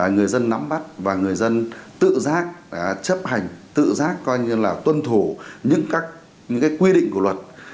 người dân nắm bắt và người dân tự giác chấp hành tự giác coi như là tuân thủ những các quy định của luật